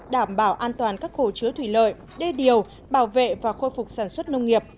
đảm bảo an toàn các hồ chứa thủy lợi đê điều bảo vệ và khôi phục sản xuất nông nghiệp